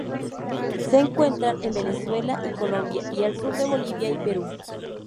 Se encuentran en Venezuela y Colombia y al sur de Bolivia y Perú.